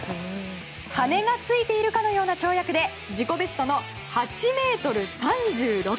羽がついているかのような跳躍で自己ベストの８ｍ３６。